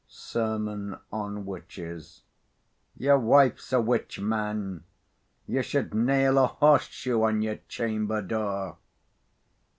SERMON ON WITCHES. "Your wife's a witch, man; you should nail a horse shoe on your chamber door."